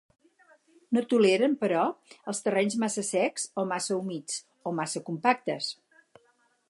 No toleren, però, els terrenys massa secs, o massa humits, o massa compactes.